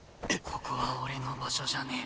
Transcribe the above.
ここは俺の場所じゃねえ。